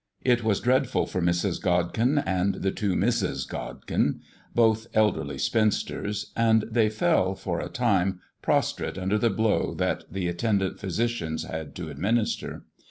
It was dreadful for Mrs. Godkin and the two Misses Godkin both elderly spinsters and they fell, for a time, prostrate under the blow that the attendant physicians had to administer.